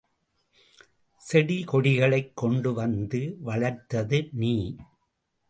செடி கொடிகளைக் கொண்டு வந்து வளர்த்தது நீ.